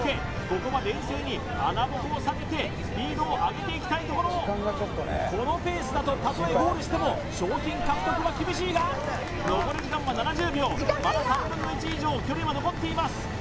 ここは冷静に穴ぼこを避けてスピードを上げていきたいところこのペースだとたとえゴールしても賞金獲得は厳しいが残り時間は７０秒まだ３分の１以上距離は残っています